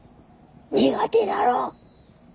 苦手だろ。